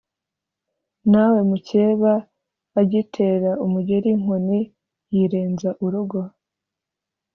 Nawe mukeba agitera umugeri inkoni nyirenza urugo